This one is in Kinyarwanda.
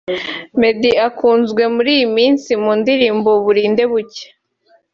Meddy ukunzwe muri iyi minsi mu ndirimbo ‘Burinde bucya’